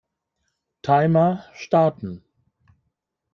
Timer starten.